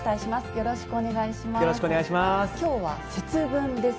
よろしくお願いします。